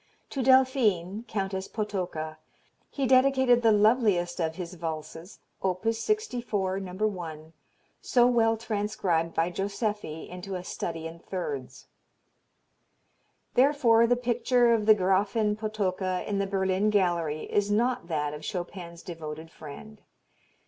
To Delphine, Countess Potocka, he dedicated the loveliest of his valses, op. 64, No. 1, so well transcribed by Joseffy into a study in thirds." Therefore the picture of the Grafin Potocka in the Berlin gallery is not that of Chopin's devoted friend.